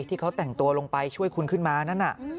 ที่เขาแต่งตัวลงไปช่วยคุณขึ้นมานั่นน่ะ